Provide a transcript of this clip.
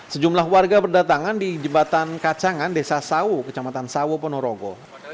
sejumlah warga berdatangan di jembatan kacangan desa sawu kecamatan sawo ponorogo